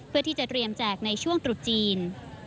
เพื่อที่จะเตรียมแจกในช่วงตรุษจีน